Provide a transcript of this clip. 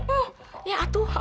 oh ya atuh